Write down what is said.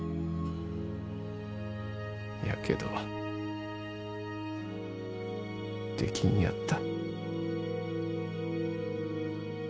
やけどできんやった。